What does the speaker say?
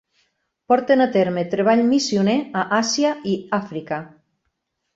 Porten a terme treball missioner a Àsia i Àfrica.